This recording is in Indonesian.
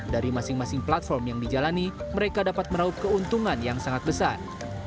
dari masing masing platform yang dijalani mereka dapat meraup keuntungan yang sangat besar